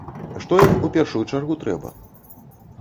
Што ім у першую чаргу трэба?